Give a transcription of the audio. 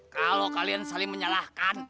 kalau kalian saling menyalahkan